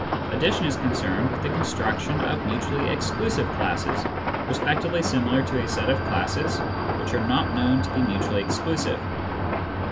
Addition is concerned with, the construction of mutually exclusive classes respectively similar to a set of classes which are not known to be mutually exclusive.